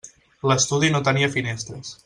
L'estudi no tenia finestres.